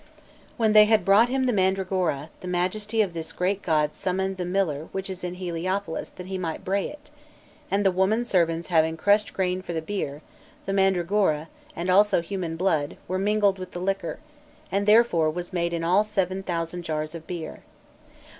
When they had brought him the mandragora, the Majesty of this great god summoned the miller which is in Heliopolis that he might bray it; and the women servants having crushed grain for the beer, the mandragora, and also human blood, were mingled with the liquor, and thereof was made in all seven thousand jars of beer.